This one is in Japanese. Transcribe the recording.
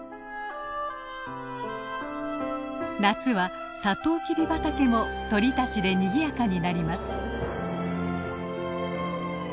夏はサトウキビ畑も鳥たちでにぎやかになります。